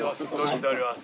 聞いております。